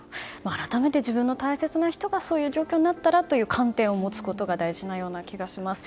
改めて自分の大切な人がそういう状況になったらという観点を持つことが大事なような気がします。